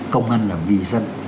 công an là vì dân